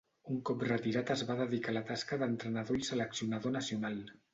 Un cop retirat es va dedicar a la tasca d'entrenador i seleccionador nacional.